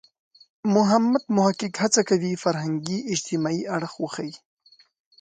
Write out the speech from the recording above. محمد محق هڅه کوي فرهنګي – اجتماعي اړخ وښيي.